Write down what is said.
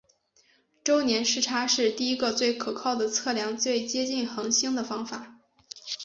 周年视差是第一个最可靠的测量最接近恒星的方法。